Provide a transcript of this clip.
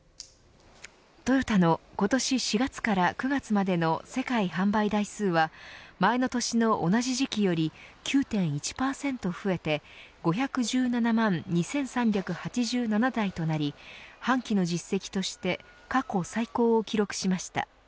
トヨタの今年４月から９月までの世界販売台数は前の年の同じ時期より９．１％増えて５１７万２３８７台となり半期の実績として過去最高を記録しました。